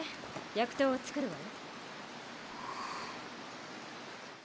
薬湯を作るわよ。